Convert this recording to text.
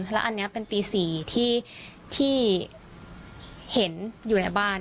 แล้วอันนี้เป็นตี๔ที่เห็นอยู่ในบ้าน